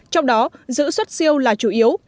trong đó giữ xuất siêu là chủ yếu